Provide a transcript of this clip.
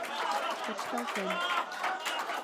Тӧршталтен